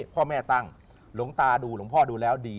พ่อแม่ตั่งลงตาดูลงท่าดูแล้วดี